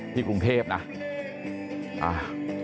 ที่กรุงเทพฯนะอ่า